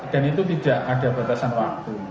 dan itu tidak ada batasan waktu